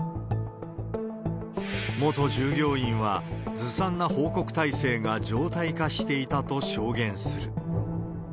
元従業員は、ずさんな報告体制が常態化していたと証言する。